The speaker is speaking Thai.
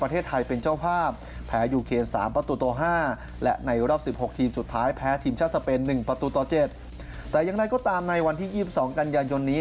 แต่ยังไงก็ตามในวันที่๒๒กันยันยนต์นี้